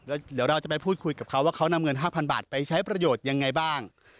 เดี๋ยวเราจะไปพูดคุยกับเขาว่าเขานำเงิน๕๐๐บาทไปใช้ประโยชน์ยังไงบ้าง